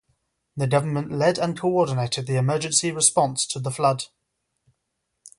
The government led and coordinated the emergency response to the flood.